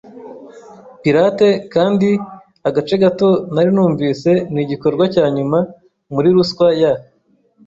pirate, kandi agace gato nari numvise nigikorwa cyanyuma muri ruswa ya